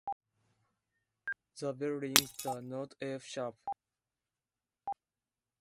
The bell rings the note F sharp.